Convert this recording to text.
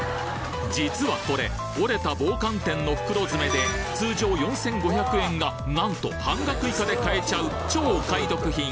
実はこれ折れた棒寒天の袋詰めで通常４５００円がなんと半額以下で買えちゃう超お買い得品